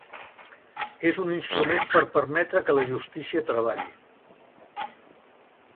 És un instrument per permetre que la justícia treballi.